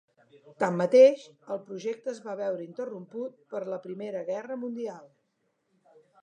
Tanmateix, el projecte es va veure interromput per la Primera Guerra Mundial.